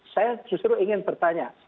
saya justru ingin bertanya